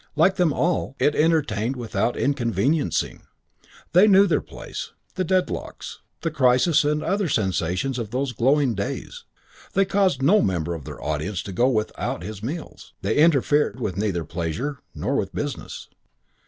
Like them all, it entertained without inconveniencing. They knew their place, the deadlocks, the crises and the other sensations of those glowing days. They caused no member of their audience to go without his meals. They interfered neither with pleasure nor with business.